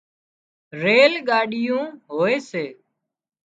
ريل ڳاڏيون هوئي سي